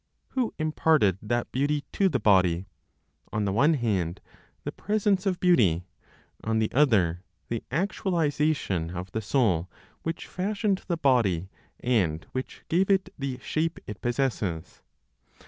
Who imparted that beauty to the body? On the one hand, the presence of beauty; on the other, the actualization of the soul which fashioned the body, and which gave it the shape it possesses.